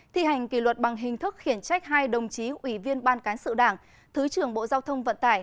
thi hành kỷ luật bằng hình thức khiển trách hai đồng chí ủy viên ban cán sự đảng thứ trưởng bộ giao thông vận tải